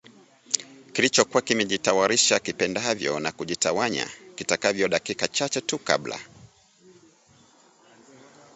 kilichokuwa kimejitawalisha kipendavyo na kujitawanya kitakavyo dakika chache tu kabla